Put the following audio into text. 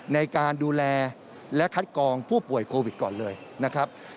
ในการดูแลและคัดกองผู้ป่วยโควิดก่อนเลยนะครับ